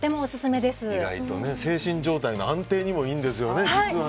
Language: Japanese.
意外と精神状態の安定にもいいんですよね。